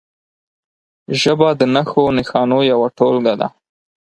ژبه د نښو نښانو یوه ټولګه ده.